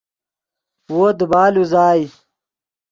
وو دیبال اوزائے